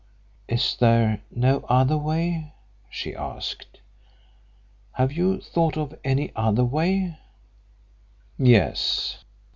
"Is there no other way?" she asked. "Have you thought of any other way?" "Yes.